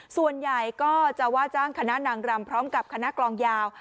ส่วนใหญ่ก็จะว่าจ้างคณะนางรำพร้อมกับคณะกลองยาว